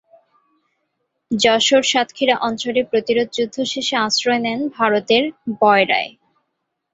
যশোর-সাতক্ষীরা অঞ্চলে প্রতিরোধ যুদ্ধ শেষে আশ্রয় নেন ভারতের বয়রায়।